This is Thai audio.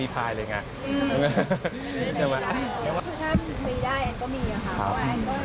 มีได้แอนน์ก็มีค่ะเพราะว่าแอนน์ก็น่ารัก